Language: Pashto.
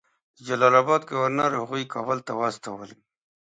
د جلال آباد ګورنر هغوی کابل ته واستول.